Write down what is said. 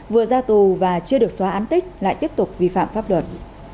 vừa ra tù và chưa được xóa án tích lại tiếp tục vi phạm pháp luật